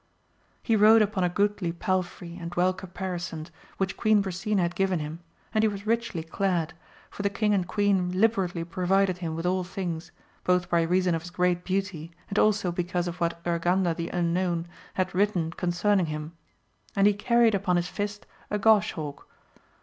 He rode upon a goodly palfrey and well caparisoned, which Queen Brisena had given him, and he was richly clad, for the king and queen liberally provided him with all things, both by reason of his great beauty, and also because of what Urganda the Unknown had written concern ing him ; and he carried upon his fist a goshawk.